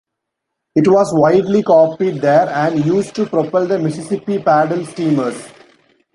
It was widely copied there and used to propel the Mississippi paddle steamers.